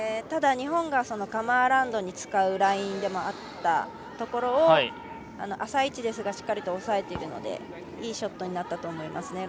ただ、日本がカムアラウンドに使うラインでもあったところを浅い位置ですがしっかり押さえているのでいいショットだと思います。